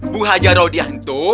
bu haja rodia itu